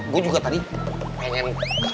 gue juga tadi pengen